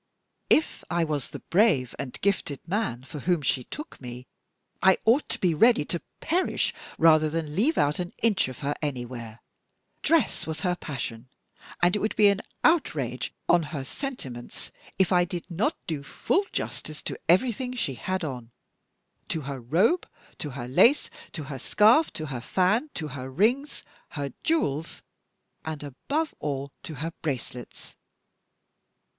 If I was the brave and gifted man for whom she took me, I ought to be ready to perish rather than leave out an inch of her anywhere. Dress was her passion, and it would be an outrage on her sentiments if I did not do full justice to everything she had on to her robe, to her lace, to her scarf, to her fan, to her rings, her jewels, and, above all, to her bracelets.